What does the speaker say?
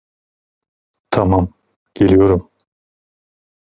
Tamam, geliyorum.